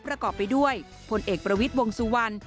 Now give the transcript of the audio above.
ประกอบไปด้วยพลเอกประวิทย์วงสุวรรณ